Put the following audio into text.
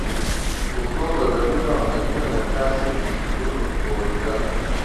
پښتو غزلونه او نظمونه د کلاسیک شعرونو ټولګه ده.